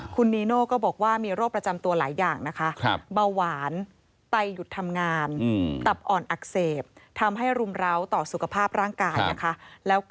คุณนีโน่ก็บอกว่ามีโรคประจำตัวหลายอย่างนะคะ